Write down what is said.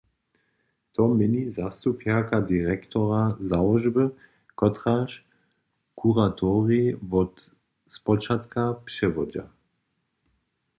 To měni zastupjerka direktora załožby, kotraž kuratorij wot spočatka přewodźa.